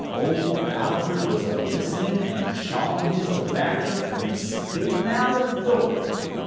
Old Alford was a listnin' and chawin' his tobakker and spittin' out of the door.